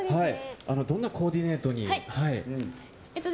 どんなコーディネートに。